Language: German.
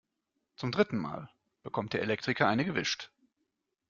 Zum dritten Mal bekommt der Elektriker eine gewischt.